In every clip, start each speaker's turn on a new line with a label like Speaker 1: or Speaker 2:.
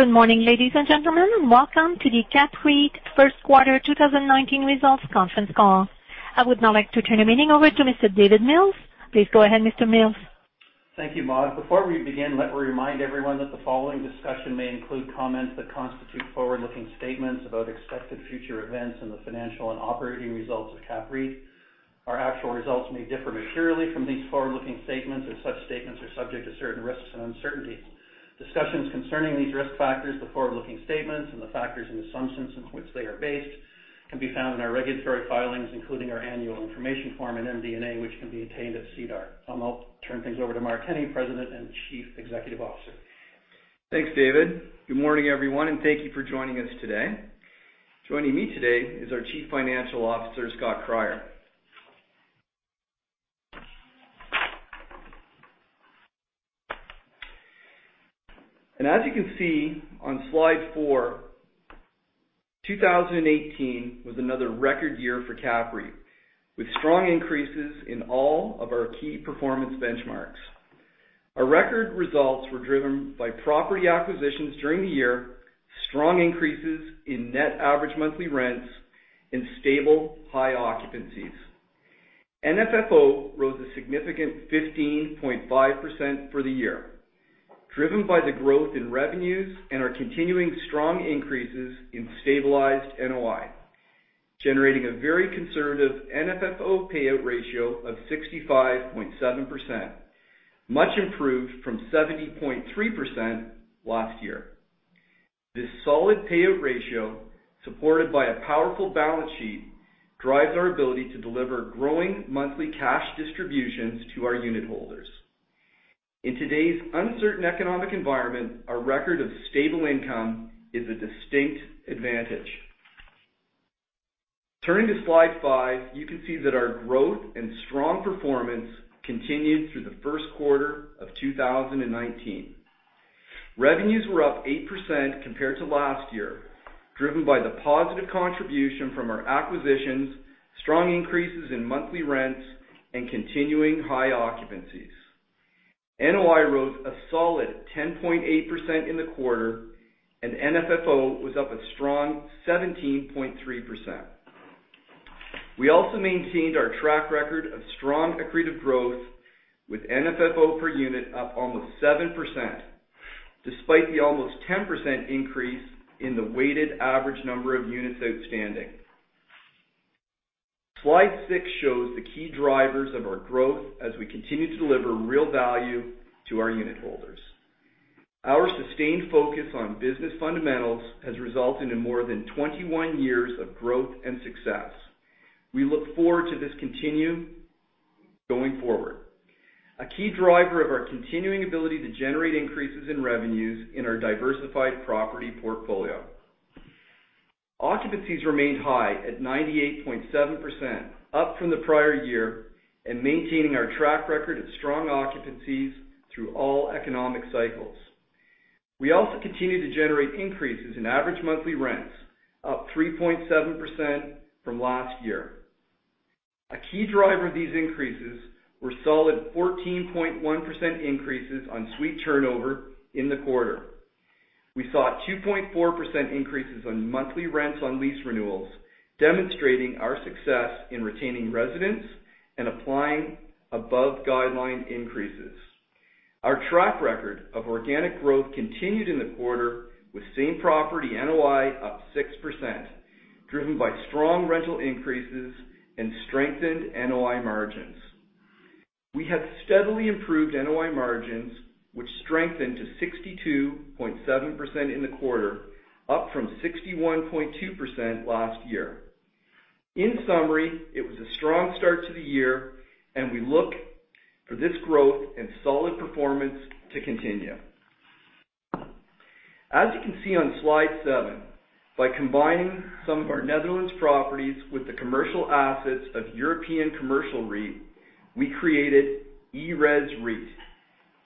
Speaker 1: Good morning, ladies and gentlemen. Welcome to the CAPREIT First Quarter 2019 Results Conference Call. I would now like to turn the meeting over to Mr. David Mills. Please go ahead, Mr. Mills.
Speaker 2: Thank you, Maude. Before we begin, let me remind everyone that the following discussion may include comments that constitute forward-looking statements about expected future events and the financial and operating results of CAPREIT. Our actual results may differ materially from these forward-looking statements. Such statements are subject to certain risks and uncertainties. Discussions concerning these risk factors, the forward-looking statements, and the factors and assumptions on which they are based can be found in our regulatory filings, including our Annual Information Form and MD&A, which can be obtained at SEDAR. I'll now turn things over to Mark Kenney, President and Chief Executive Officer.
Speaker 3: Thanks, David. Good morning, everyone, and thank you for joining us today. Joining me today is our Chief Financial Officer, Scott Cryer. As you can see on slide four, 2018 was another record year for CAPREIT, with strong increases in all of our key performance benchmarks. Our record results were driven by property acquisitions during the year, strong increases in net average monthly rents, and stable high occupancies. FFO rose a significant 15.5% for the year, driven by the growth in revenues and our continuing strong increases in stabilized NOI, generating a very conservative FFO payout ratio of 65.7%, much improved from 70.3% last year. This solid payout ratio, supported by a powerful balance sheet, drives our ability to deliver growing monthly cash distributions to our unit holders. In today's uncertain economic environment, our record of stable income is a distinct advantage. Turning to slide five, you can see that our growth and strong performance continued through the first quarter of 2019. Revenues were up 8% compared to last year, driven by the positive contribution from our acquisitions, strong increases in monthly rents, and continuing high occupancies. NOI rose a solid 10.8% in the quarter, and FFO was up a strong 17.3%. We also maintained our track record of strong accretive growth, with FFO per unit up almost 7%, despite the almost 10% increase in the weighted average number of units outstanding. Slide six shows the key drivers of our growth as we continue to deliver real value to our unit holders. Our sustained focus on business fundamentals has resulted in more than 21 years of growth and success. We look forward to this continuing going forward, a key driver of our continuing ability to generate increases in revenues in our diversified property portfolio. Occupancies remained high at 98.7%, up from the prior year and maintaining our track record of strong occupancies through all economic cycles. We also continue to generate increases in average monthly rents, up 3.7% from last year. A key driver of these increases were solid 14.1% increases on suite turnover in the quarter. We saw 2.4% increases on monthly rents on lease renewals, demonstrating our success in retaining residents and applying above-guideline increases. Our track record of organic growth continued in the quarter, with same property NOI up 6%, driven by strong rental increases and strengthened NOI margins. We have steadily improved NOI margins, which strengthened to 62.7% in the quarter, up from 61.2% last year. In summary, it was a strong start to the year, and we look for this growth and solid performance to continue. As you can see on slide seven, by combining some of our Netherlands properties with the commercial assets of European Commercial REIT, we created ERES REIT,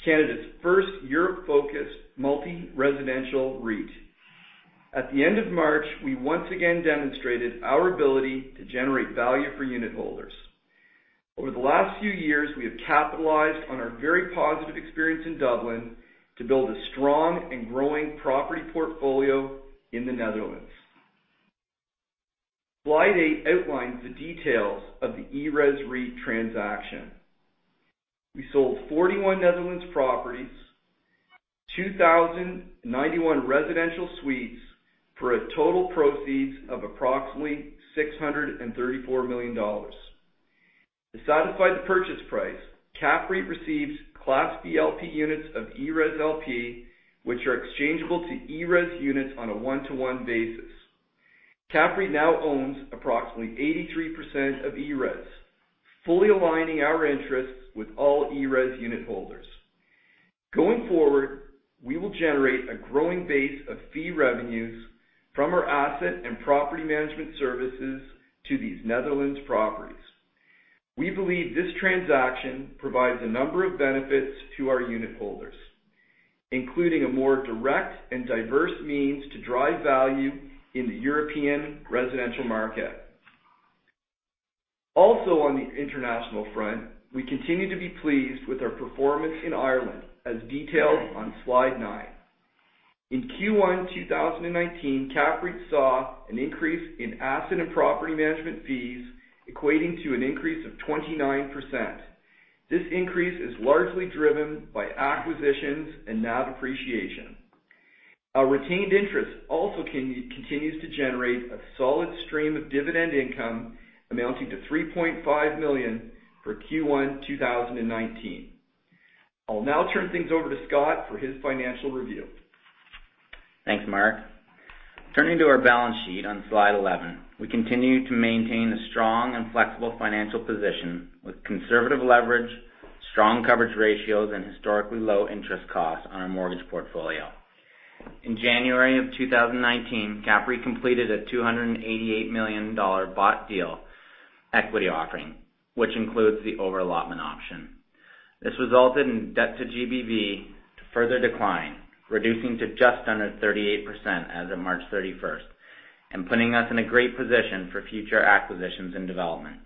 Speaker 3: Canada's first Europe-focused multi-residential REIT. At the end of March, we once again demonstrated our ability to generate value for unitholders. Over the last few years, we have capitalized on our very positive experience in Dublin to build a strong and growing property portfolio in the Netherlands. Slide eight outlines the details of the ERES REIT transaction. We sold 41 Netherlands properties, 2,091 residential suites, for total proceeds of approximately 634 million dollars. To satisfy the purchase price, CAPREIT receives Class B LP units of ERES LP, which are exchangeable to ERES units on a one-to-one basis. CAPREIT now owns approximately 83% of ERES, fully aligning our interests with all ERES unitholders. Going forward, we will generate a growing base of fee revenues from our asset and property management services to these Netherlands properties. We believe this transaction provides a number of benefits to our unitholders, including a more direct and diverse means to drive value in the European residential market. Also on the international front, we continue to be pleased with our performance in Ireland, as detailed on slide nine. In Q1 2019, CAPREIT saw an increase in asset and property management fees equating to an increase of 29%. This increase is largely driven by acquisitions and NAV appreciation. Our retained interest also continues to generate a solid stream of dividend income amounting to 3.5 million for Q1 2019. I'll now turn things over to Scott for his financial review.
Speaker 4: Thanks, Mark. Turning to our balance sheet on Slide 11, we continue to maintain a strong and flexible financial position with conservative leverage, strong coverage ratios, and historically low-interest costs on our mortgage portfolio. In January of 2019, CAPREIT completed a 288 million dollar bought deal equity offering, which includes the over-allotment option. This resulted in debt to GBV to further decline, reducing to just under 38% as of March 31st and putting us in a great position for future acquisitions and development.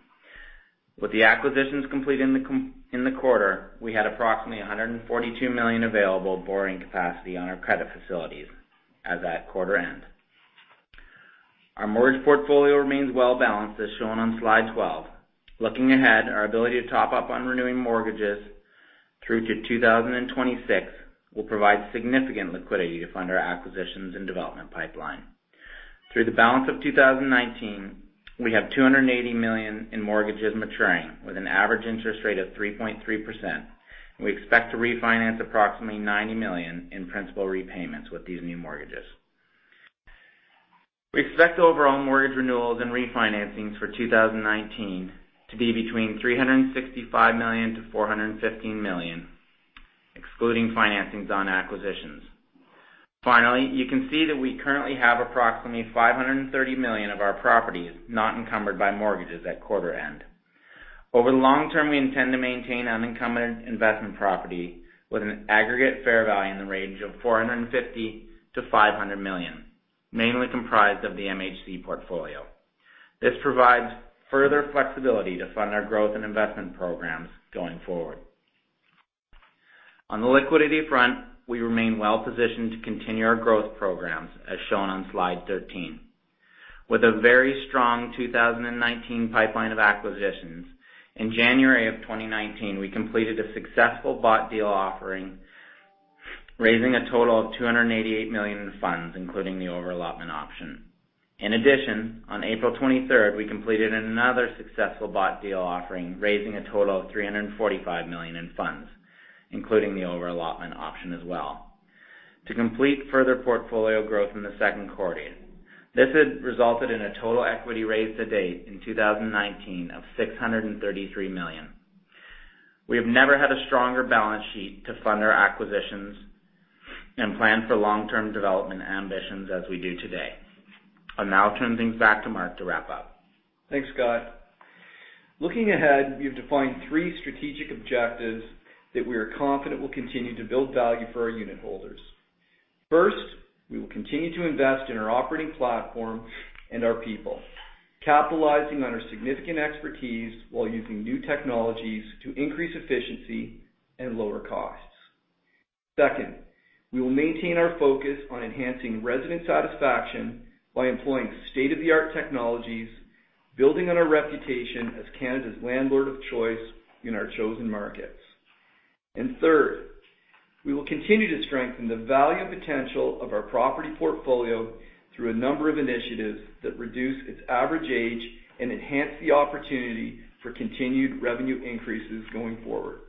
Speaker 4: With the acquisitions complete in the quarter, we had approximately 142 million available borrowing capacity on our credit facilities as at quarter end. Our mortgage portfolio remains well balanced, as shown on Slide 12. Looking ahead, our ability to top up on renewing mortgages through to 2026 will provide significant liquidity to fund our acquisitions and development pipeline. Through the balance of 2019, we have CAD 280 million in mortgages maturing with an average interest rate of 3.3%, and we expect to refinance approximately 90 million in principal repayments with these new mortgages. We expect overall mortgage renewals and refinancings for 2019 to be between CAD 365 million-CAD 415 million, excluding financings on acquisitions. Finally, you can see that we currently have approximately 530 million of our properties not encumbered by mortgages at quarter end. Over the long term, we intend to maintain unencumbered investment property with an aggregate fair value in the range of 450 million-500 million, mainly comprised of the MHC portfolio. This provides further flexibility to fund our growth and investment programs going forward. On the liquidity front, we remain well-positioned to continue our growth programs, as shown on Slide 13. With a very strong 2019 pipeline of acquisitions, in January of 2019, we completed a successful bought deal offering, raising a total of 288 million in funds, including the over-allotment option. In addition, on April 23rd, we completed another successful bought deal offering, raising a total of 345 million in funds, including the over-allotment option as well, to complete further portfolio growth in the second quarter. This has resulted in a total equity raise to date in 2019 of 633 million. We have never had a stronger balance sheet to fund our acquisitions and plan for long-term development ambitions as we do today. I'll now turn things back to Mark to wrap up.
Speaker 3: Thanks, Scott. Looking ahead, we have defined three strategic objectives that we are confident will continue to build value for our unit holders. First, we will continue to invest in our operating platform and our people, capitalizing on our significant expertise while using new technologies to increase efficiency and lower costs. Second, we will maintain our focus on enhancing resident satisfaction by employing state-of-the-art technologies, building on our reputation as Canada's landlord of choice in our chosen markets. Third, we will continue to strengthen the value potential of our property portfolio through a number of initiatives that reduce its average age and enhance the opportunity for continued revenue increases going forward.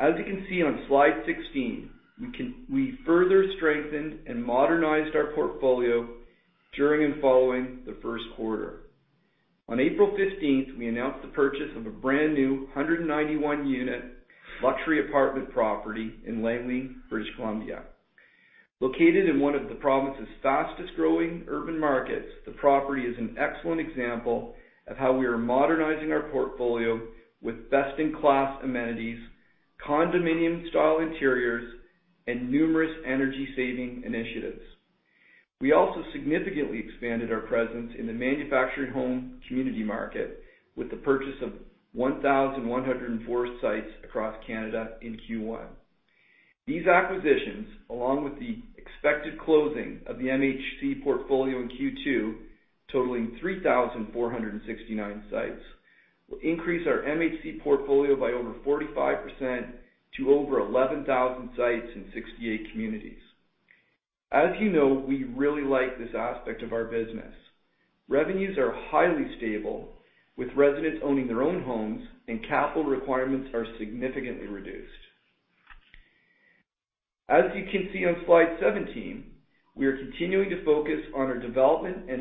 Speaker 3: As you can see on Slide 16, we further strengthened and modernized our portfolio during and following the first quarter. On April 15th, we announced the purchase of a brand-new 191-unit luxury apartment property in Langley, British Columbia. Located in one of the province's fastest-growing urban markets, the property is an excellent example of how we are modernizing our portfolio with best-in-class amenities, condominium-style interiors, and numerous energy-saving initiatives. We also significantly expanded our presence in the manufactured home community market with the purchase of 1,104 sites across Canada in Q1. These acquisitions, along with the expected closing of the MHC portfolio in Q2, totaling 3,469 sites, will increase our MHC portfolio by over 45% to over 11,000 sites in 68 communities. As you know, we really like this aspect of our business. Revenues are highly stable, with residents owning their own homes, and capital requirements are significantly reduced. As you can see on Slide 17, we are continuing to focus on our development and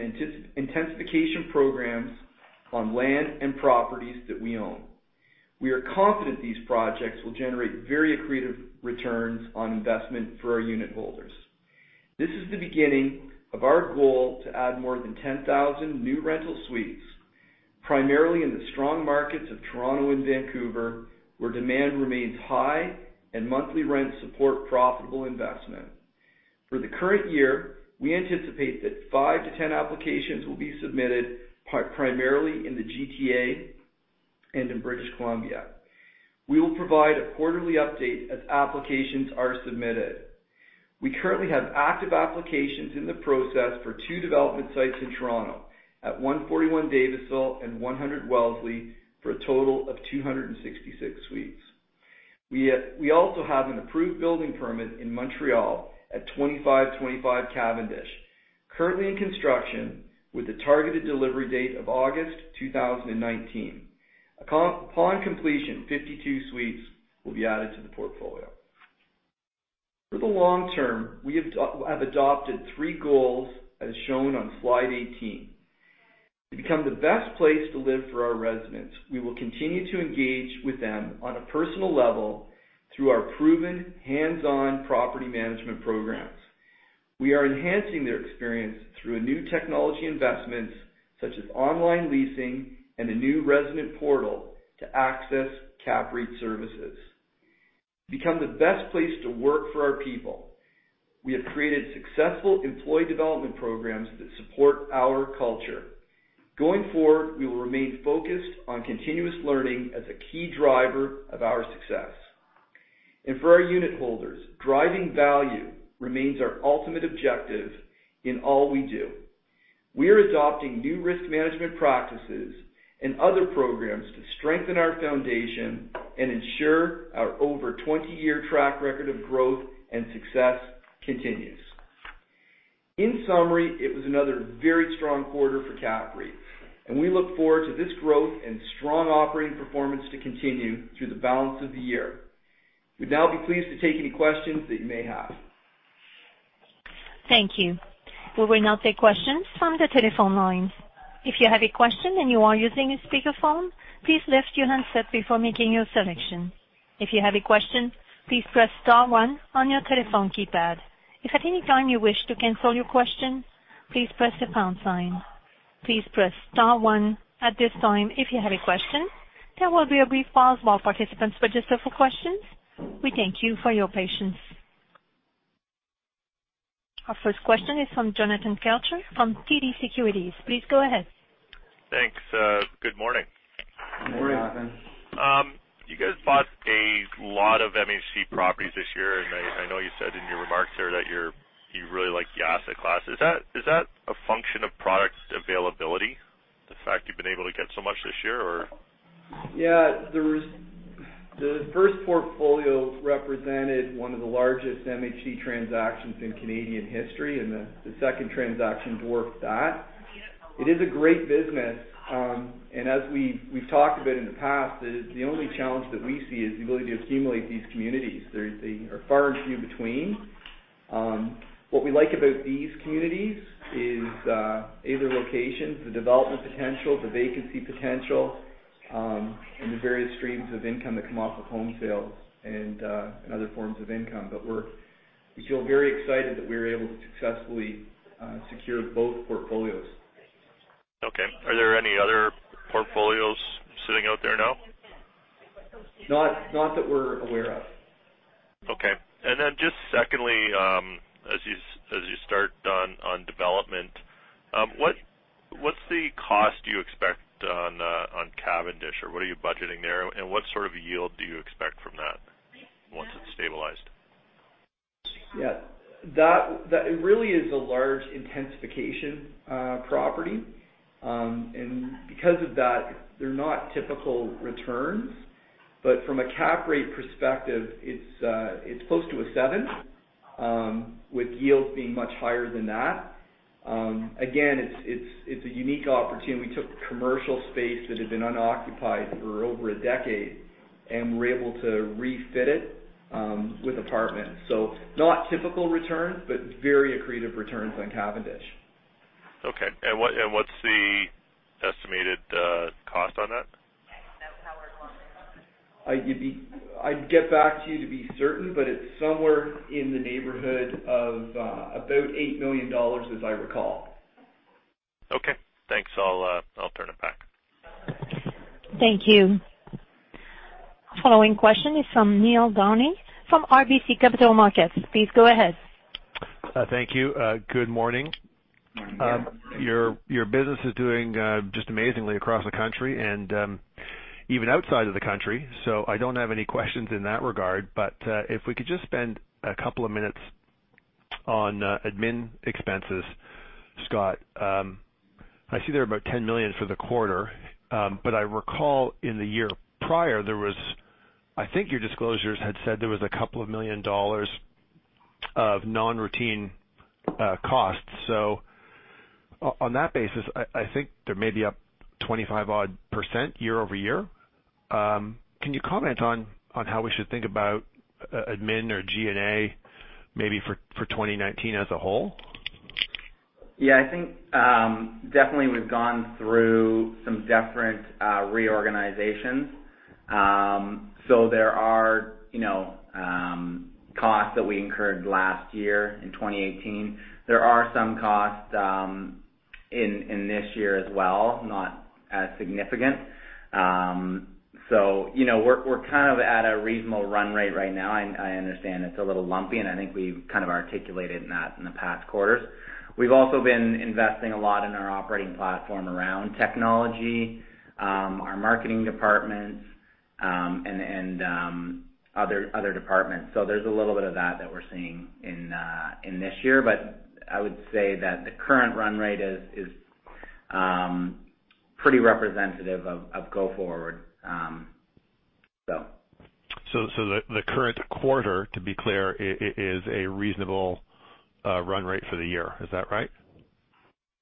Speaker 3: intensification programs on land and properties that we own. We are confident these projects will generate very accretive returns on investment for our unitholders. This is the beginning of our goal to add more than 10,000 new rental suites, primarily in the strong markets of Toronto and Vancouver, where demand remains high and monthly rents support profitable investment. For the current year, we anticipate that five to 10 applications will be submitted primarily in the GTA and in British Columbia. We will provide a quarterly update as applications are submitted. We currently have active applications in the process for two development sites in Toronto at 141 Davisville and 100 Wellesley, for a total of 266 suites. We also have an approved building permit in Montreal at 2525 Cavendish, currently in construction, with a targeted delivery date of August 2019. Upon completion, 52 suites will be added to the portfolio. For the long term, we have adopted three goals as shown on slide 18. To become the best place to live for our residents, we will continue to engage with them on a personal level through our proven hands-on property management programs. We are enhancing their experience through new technology investments such as online leasing and a new resident portal to access CAPREIT services. To become the best place to work for our people, we have created successful employee development programs that support our culture. Going forward, we will remain focused on continuous learning as a key driver of our success. For our unitholders, driving value remains our ultimate objective in all we do. We are adopting new risk management practices and other programs to strengthen our foundation and ensure our over 20-year track record of growth and success continues. In summary, it was another very strong quarter for CAPREIT, and we look forward to this growth and strong operating performance to continue through the balance of the year. We'd now be pleased to take any questions that you may have.
Speaker 1: Thank you. We will now take questions from the telephone lines. If you have a question and you are using a speakerphone, please lift your handset before making your selection. If you have a question, please press star one on your telephone keypad. If at any time you wish to cancel your question, please press the pound sign. Please press star one at this time if you have a question. There will be a brief pause while participants register for questions. We thank you for your patience. Our first question is from Jonathan Kelcher from TD Securities. Please go ahead.
Speaker 5: Thanks. Good morning.
Speaker 3: Morning.
Speaker 5: You guys bought a lot of MHC properties this year, and I know you said in your remarks there that you really like the asset class. Is that a function of product availability, the fact you've been able to get so much this year?
Speaker 3: Yeah. The first portfolio represented one of the largest MHC transactions in Canadian history, and the second transaction dwarfed that. It is a great business. As we've talked about in the past, the only challenge that we see is the ability to accumulate these communities. They are far and few between. What we like about these communities is A, their locations, the development potential, the vacancy potential, and the various streams of income that come off of home sales and other forms of income. We feel very excited that we were able to successfully secure both portfolios.
Speaker 5: Okay. Are there any other portfolios sitting out there now?
Speaker 3: Not that we're aware of.
Speaker 5: Okay. Just secondly, as you start on development, what's the cost you expect on Cavendish, or what are you budgeting there? What sort of yield do you expect from that once it's stabilized?
Speaker 3: Yeah. It really is a large intensification property. Because of that, they're not typical returns. From a CAPREIT perspective, it's close to a seven, with yields being much higher than that. Again, it's a unique opportunity. We took commercial space that had been unoccupied for over a decade, and we're able to refit it with apartments. Not typical returns, but very accretive returns on Cavendish.
Speaker 5: Okay. What's the estimated cost on that?
Speaker 3: I'd get back to you to be certain, but it's somewhere in the neighborhood of about 8 million dollars, as I recall.
Speaker 5: Okay, thanks. I'll turn it back.
Speaker 1: Thank you. Following question is from Neil Downey from RBC Capital Markets. Please go ahead.
Speaker 6: Thank you. Good morning.
Speaker 3: Morning.
Speaker 6: Your business is doing just amazingly across the country and even outside of the country. I don't have any questions in that regard. If we could just spend a couple of minutes on admin expenses, Scott. I see they're about 10 million for the quarter. I recall in the year prior, I think your disclosures had said there was a couple of million CAD of non-routine costs. On that basis, I think they may be up 25-odd% year-over-year. Can you comment on how we should think about admin or G&A maybe for 2019 as a whole?
Speaker 4: Yeah, I think definitely we've gone through some different reorganizations. There are costs that we incurred last year in 2018. There are some costs in this year as well, not as significant. We're at a reasonable run rate right now. I understand it's a little lumpy, and I think we've articulated that in the past quarters. We've also been investing a lot in our operating platform around technology, our marketing departments, and other departments. There's a little bit of that that we're seeing in this year. I would say that the current run rate is pretty representative of go forward.
Speaker 6: The current quarter, to be clear, is a reasonable run rate for the year. Is that right?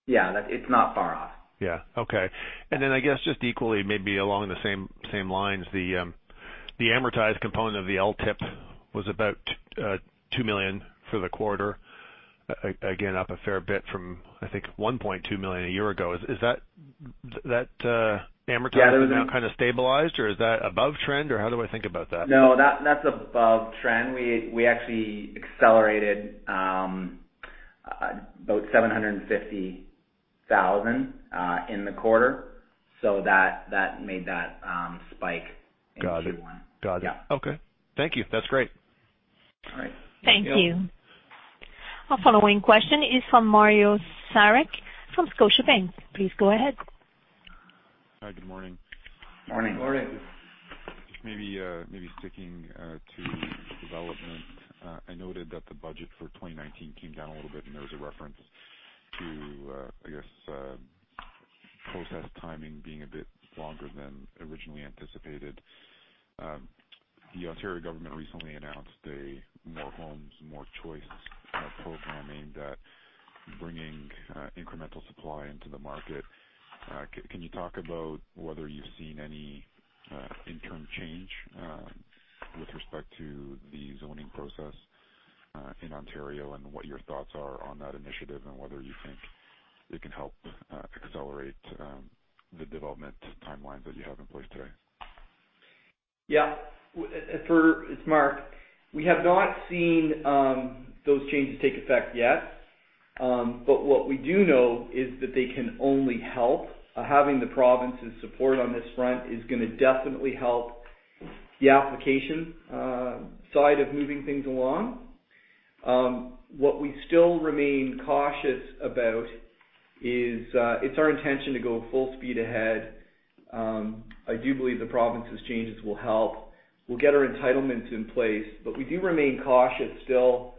Speaker 4: Yeah. It's not far off.
Speaker 6: Yeah. Okay. I guess just equally, maybe along the same lines, the amortized component of the LTIP was about 2 million for the quarter. Again, up a fair bit from, I think, 1.2 million a year ago. Is that amortization now kind of stabilized, or is that above trend, or how do I think about that?
Speaker 4: No, that's above trend. We actually accelerated about 750,000 in the quarter. That made that spike in Q1.
Speaker 6: Got it.
Speaker 4: Yeah.
Speaker 6: Okay. Thank you. That's great.
Speaker 4: All right.
Speaker 1: Thank you. Our following question is from Mario Saric from Scotiabank. Please go ahead.
Speaker 7: Hi. Good morning.
Speaker 4: Morning.
Speaker 3: Morning.
Speaker 7: Just maybe sticking to development. I noted that the budget for 2019 came down a little bit, and there was a reference to, I guess, process timing being a bit longer than originally anticipated. The Ontario government recently announced a More Homes, More Choice programming that bringing incremental supply into the market. Can you talk about whether you've seen any interim change with respect to the zoning process in Ontario, and what your thoughts are on that initiative, and whether you think it can help accelerate the development timelines that you have in place today?
Speaker 3: Yeah. It's Mark. What we do know is that they can only help. Having the province's support on this front is going to definitely help the application side of moving things along. What we still remain cautious about is, it's our intention to go full speed ahead. I do believe the province's changes will help. We'll get our entitlements in place. We do remain cautious still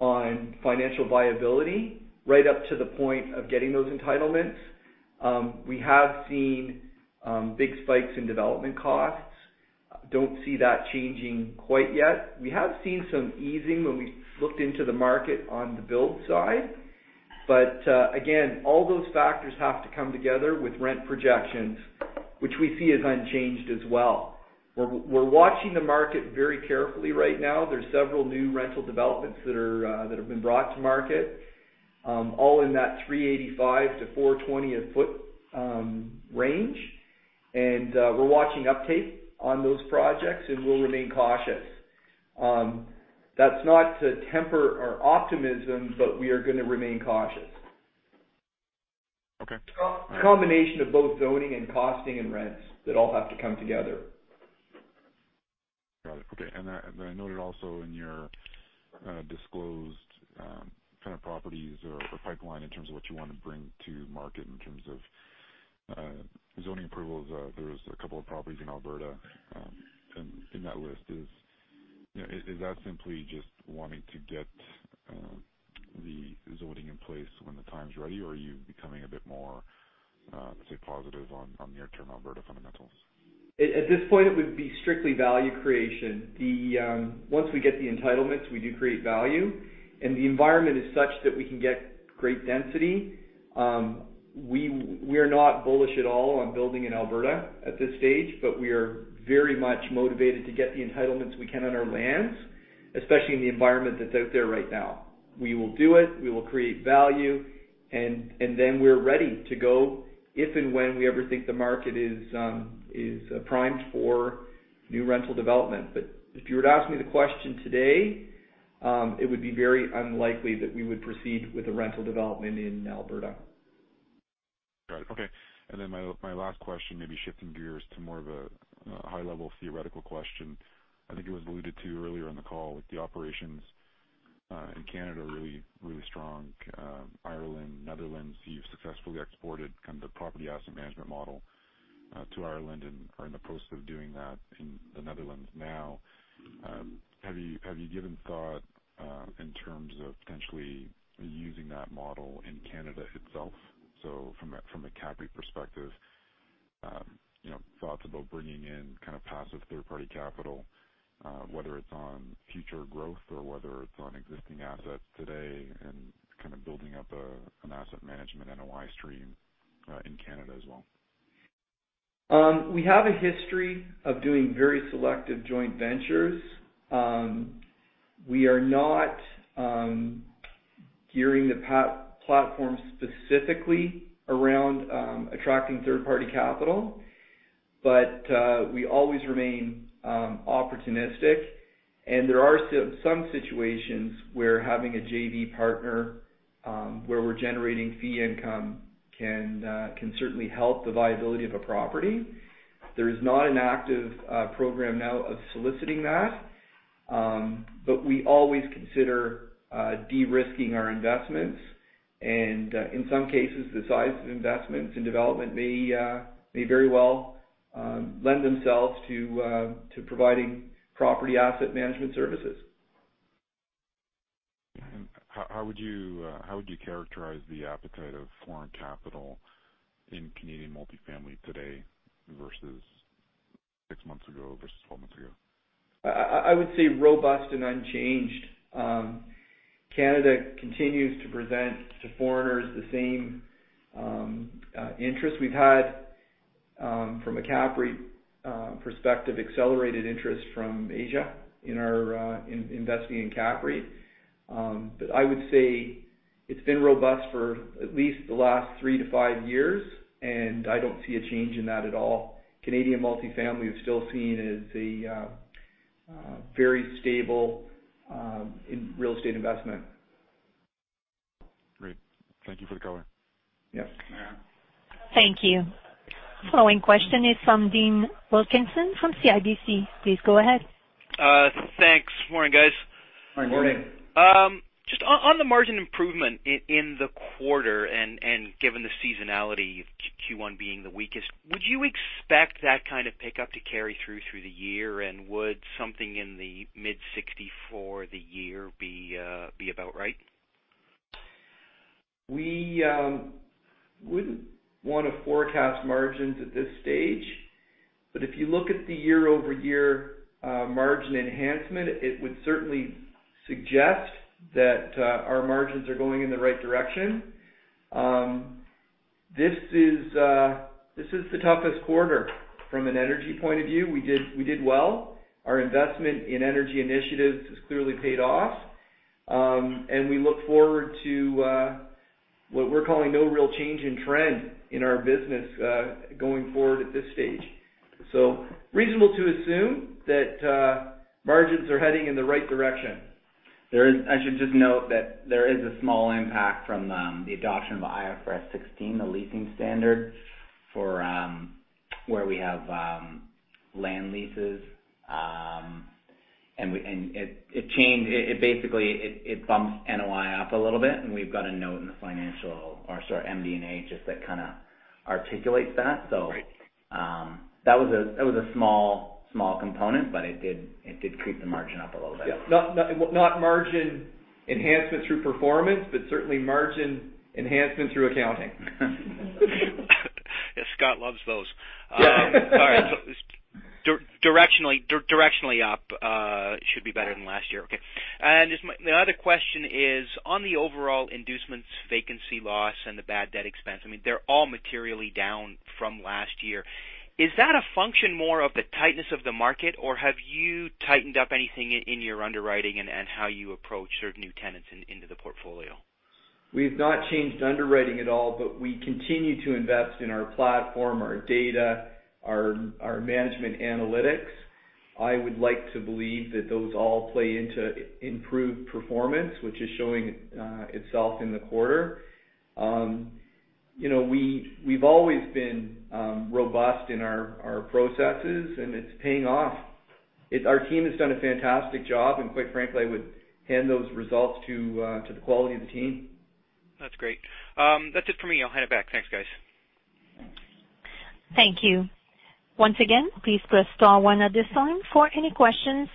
Speaker 3: on financial viability right up to the point of getting those entitlements. We have seen big spikes in development costs. Don't see that changing quite yet. We have seen some easing when we looked into the market on the build side. Again, all those factors have to come together with rent projections, which we see as unchanged as well. We're watching the market very carefully right now. There's several new rental developments that have been brought to market, all in that 385 to 420 a foot range. We're watching uptake on those projects, and we'll remain cautious. That's not to temper our optimism, we are going to remain cautious.
Speaker 7: Okay. All right.
Speaker 3: A combination of both zoning and costing and rents that all have to come together.
Speaker 7: Got it. Okay. I noted also in your disclosed kind of properties or pipeline in terms of what you want to bring to market, in terms of zoning approvals, there was a couple of properties in Alberta in that list. Is that simply just wanting to get the zoning in place when the time is ready, or are you becoming a bit more, let's say, positive on near-term Alberta fundamentals?
Speaker 3: At this point, it would be strictly value creation. Once we get the entitlements, we do create value. The environment is such that we can get great density. We are not bullish at all on building in Alberta at this stage, we are very much motivated to get the entitlements we can on our lands, especially in the environment that's out there right now. We will do it, we will create value, we're ready to go if and when we ever think the market is primed for new rental development. If you were to ask me the question today, it would be very unlikely that we would proceed with a rental development in Alberta.
Speaker 7: Got it. Okay. My last question, maybe shifting gears to more of a high-level theoretical question. I think it was alluded to earlier in the call. With the operations in Canada really strong. Ireland, Netherlands, you've successfully exported kind of the property asset management model to Ireland and are in the process of doing that in the Netherlands now. Have you given thought in terms of potentially using that model in Canada itself? From a CAPREIT perspective, thoughts about bringing in kind of passive third-party capital, whether it's on future growth or whether it's on existing assets today and kind of building up an asset management NOI stream in Canada as well?
Speaker 3: We have a history of doing very selective joint ventures. We are not gearing the platform specifically around attracting third-party capital. We always remain opportunistic, there are some situations where having a JV partner where we're generating fee income can certainly help the viability of a property. There is not an active program now of soliciting that, we always consider de-risking our investments, in some cases, the size of investments in development may very well lend themselves to providing property asset management services.
Speaker 7: How would you characterize the appetite of foreign capital in Canadian multifamily today versus six months ago, versus 12 months ago?
Speaker 3: I would say robust and unchanged. Canada continues to present to foreigners the same interest we've had from a CAPREIT perspective, accelerated interest from Asia in investing in CAPREIT. I would say it's been robust for at least the last three to five years, and I don't see a change in that at all. Canadian multifamily is still seen as a very stable real estate investment.
Speaker 7: Great. Thank you for the color.
Speaker 3: Yes.
Speaker 1: Thank you. Following question is from Dean Wilkinson from CIBC. Please go ahead.
Speaker 8: Thanks. Morning, guys.
Speaker 4: Morning. Morning.
Speaker 8: Just on the margin improvement in the quarter and given the seasonality of Q1 being the weakest, would you expect that kind of pickup to carry through through the year? Would something in the mid-60% for the year be about right?
Speaker 3: We wouldn't want to forecast margins at this stage, if you look at the year-over-year margin enhancement, it would certainly suggest that our margins are going in the right direction. This is the toughest quarter from an energy point of view. We did well. Our investment in energy initiatives has clearly paid off. We look forward to what we're calling no real change in trend in our business going forward at this stage. Reasonable to assume that margins are heading in the right direction.
Speaker 4: I should just note that there is a small impact from the adoption of IFRS 16, the leasing standard, for where we have land leases. It basically bumps NOI up a little bit, we've got a note in the MD&A, just that kind of articulates that.
Speaker 8: Right.
Speaker 4: That was a small component, but it did creep the margin up a little bit.
Speaker 3: Yeah. Not margin enhancement through performance, but certainly margin enhancement through accounting.
Speaker 8: Yes, Scott loves those.
Speaker 3: Yeah.
Speaker 8: All right. Directionally up should be better than last year. Okay. The other question is on the overall inducements, vacancy loss, and the bad debt expense, I mean, they're all materially down from last year. Is that a function more of the tightness of the market, or have you tightened up anything in your underwriting and how you approach certain new tenants into the portfolio?
Speaker 3: We've not changed underwriting at all, we continue to invest in our platform, our data, our management analytics. I would like to believe that those all play into improved performance, which is showing itself in the quarter. We've always been robust in our processes, it's paying off. Our team has done a fantastic job, quite frankly, I would hand those results to the quality of the team.
Speaker 8: That's great. That's it for me. I'll hand it back. Thanks, guys.
Speaker 1: Thank you. Once again, please press star one at this time for any questions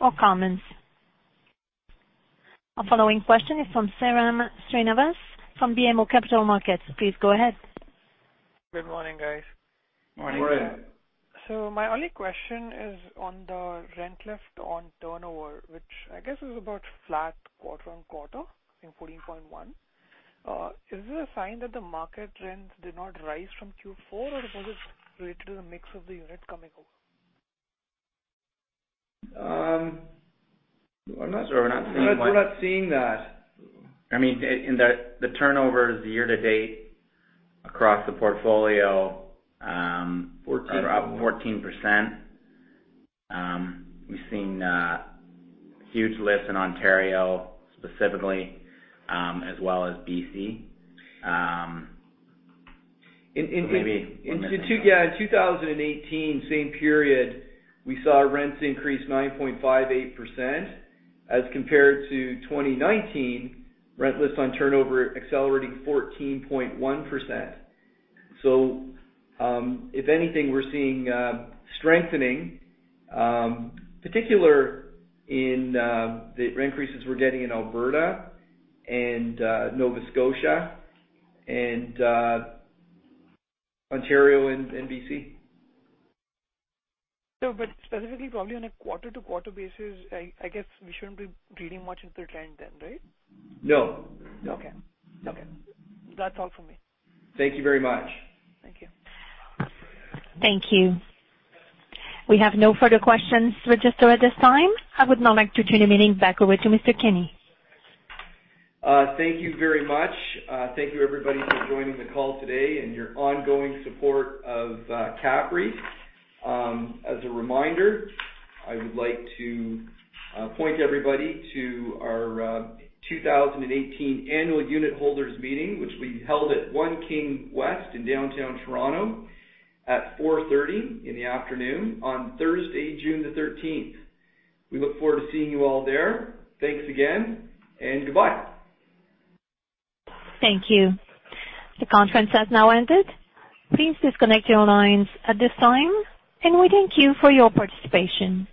Speaker 1: or comments. Our following question is from Sairam Srinivas from BMO Capital Markets. Please go ahead.
Speaker 9: Good morning, guys.
Speaker 3: Morning.
Speaker 4: Morning.
Speaker 9: My only question is on the rent lift on turnover, which I guess is about flat quarter-on-quarter in 14.1%. Is this a sign that the market rents did not rise from Q4, or was it related to the mix of the units coming over?
Speaker 3: We're not seeing that.
Speaker 4: I mean, the turnover is year-to-date across the portfolio-
Speaker 3: 14
Speaker 4: around 14%. We've seen huge lifts in Ontario, specifically, as well as BC. Maybe we're missing something.
Speaker 3: Yeah. In 2018, same period, we saw rents increase 9.58%, as compared to 2019, rent lifts on turnover accelerating 14.1%. If anything, we're seeing strengthening, particular in the rent increases we're getting in Alberta and Nova Scotia and Ontario and B.C.
Speaker 9: No, specifically probably on a quarter-to-quarter basis, I guess we shouldn't be reading much into the trend then, right?
Speaker 3: No.
Speaker 9: Okay. That's all for me.
Speaker 3: Thank you very much.
Speaker 9: Thank you.
Speaker 1: Thank you. We have no further questions registered at this time. I would now like to turn the meeting back over to Mr. Kenney.
Speaker 3: Thank you very much. Thank you everybody for joining the call today and your ongoing support of CAPREIT. As a reminder, I would like to point everybody to our 2018 Annual Unit Holders Meeting, which we held at One King West in downtown Toronto at 4:30 P.M. on Thursday, June the 13th. We look forward to seeing you all there. Thanks again, and goodbye.
Speaker 1: Thank you. The conference has now ended. Please disconnect your lines at this time, and we thank you for your participation.